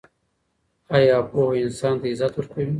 آیا پوهه انسان ته عزت ورکوي؟